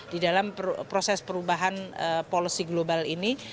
di dalam proses perubahan policy global ini